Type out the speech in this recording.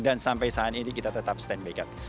dan sampai saat ini kita tetap stand by kan